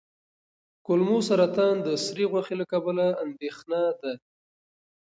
کولمو سرطان د سرې غوښې له کبله اندېښنه ده.